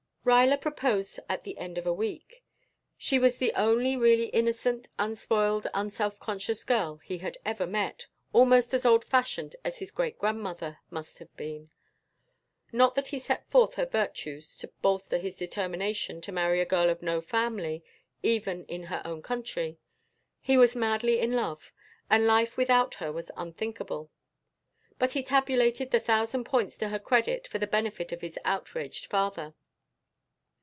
Ruyler proposed at the end of a week. She was the only really innocent, unspoiled, unselfconscious girl he had ever met, almost as old fashioned as his great grandmother must have been. Not that he set forth her virtues to bolster his determination to marry a girl of no family even in her own country; he was madly in love, and life without her was unthinkable; but he tabulated the thousand points to her credit for the benefit of his outraged father.